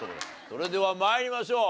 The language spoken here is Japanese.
それでは参りましょう。